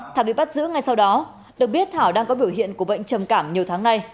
thảo bị bắt giữ ngay sau đó được biết thảo đang có biểu hiện của bệnh trầm cảm nhiều tháng nay